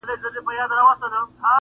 پرون یې کلی- نن محراب سبا چنار سوځوي-